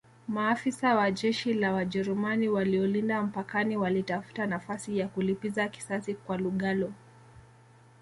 Maafisa wa jeshi la Wajerumani waliolinda mpakani walitafuta nafasi ya kulipiza kisasi kwa Lugalo